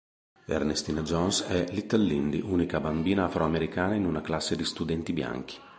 Ernestina Jones è "Little Lindy", unica bambina afroamericana in una classe di studenti bianchi.